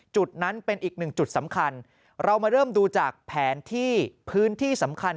จุดนั้นเป็นอีกหนึ่งจุดสำคัญเรามาเริ่มดูจากแผนที่พื้นที่สำคัญ